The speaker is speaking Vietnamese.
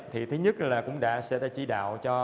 thì thứ nhất là cũng đã sẽ đã chỉ đạo cho